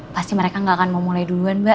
pasti mereka nggak akan mau mulai duluan mbak